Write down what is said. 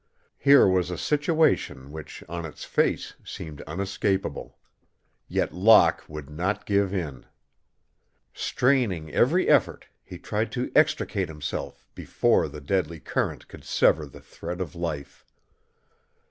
Here was a situation which, on its face, seemed unescapable. Yet Locke would not give in. Straining every effort, he tried to extricate himself before the deadly current could sever the thread of life.